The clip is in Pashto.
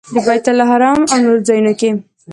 د بیت الله حرم او نورو ځایونو کې.